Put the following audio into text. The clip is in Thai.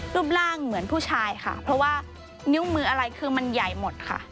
รูปร่างเหมือนผู้ชายค่ะเพราะว่านิ้วมืออะไรคือมันใหญ่หมดค่ะ